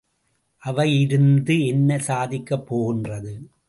அவையிருந்து என்ன சாதிக்கப்போகின்றது?